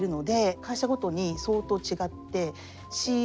会社ごとに相当違ってＣＥＯ